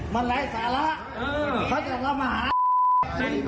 ไม่เคยใส่ใจ